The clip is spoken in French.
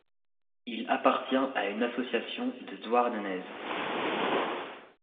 Il appartient à une association de Douarnenez.